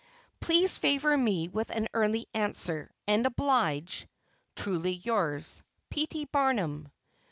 Please favor me with an early answer, and oblige, Truly yours, P. T. BARNUM.